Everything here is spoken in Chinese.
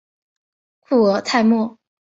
库尔泰莫。